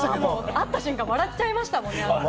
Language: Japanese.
会った瞬間、笑っちゃいましたけれども。